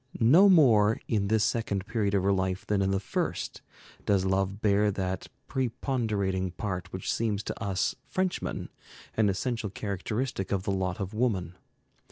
No more in this second period of her life than in the first does love bear that preponderating part which seems to us Frenchmen an essential characteristic of the lot of woman.